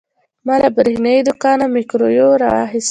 ما له برېښنايي دوکانه مایکروویو واخیست.